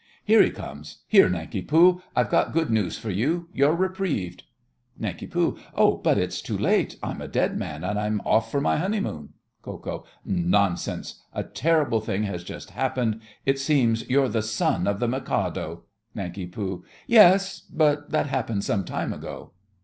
Here he comes. Here, Nanki Poo, I've good news for you—you're reprieved. NANK. Oh, but it's too late. I'm a dead man, and I'm off for my honeymoon. KO. Nonsense! A terrible thing has just happened. It seems you're the son of the Mikado. NANK. Yes, but that happened some time ago.